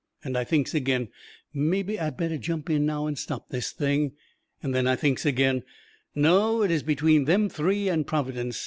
And I thinks agin: "Mebby I better jump in now and stop this thing." And then I thinks agin: "No, it is between them three and Providence."